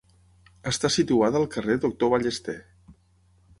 Està situada al carrer Doctor Ballester.